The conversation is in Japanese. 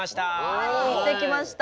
はい行ってきました。